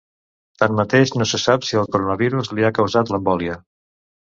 Tanmateix, no se sap si el coronavirus li ha causat l’embòlia.